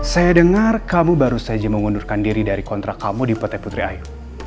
saya dengar kamu baru saja mengundurkan diri dari kontrak kamu di pt putri ayu